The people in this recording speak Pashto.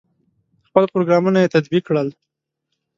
خپل پروګرامونه یې تطبیق کړل.